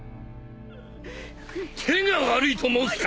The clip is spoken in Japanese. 手が悪いと申すか！